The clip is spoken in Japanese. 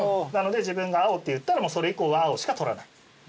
なので自分が「青」って言ったらそれ以降は青しか取らない。